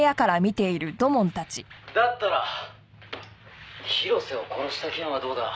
「だったら広瀬を殺した件はどうだ？」